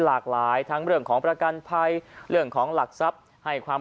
หลากหลายทั้งเรื่องของประกันภัยเรื่องของหลักทรัพย์ให้ความ